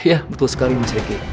ya betul sekali mas ricky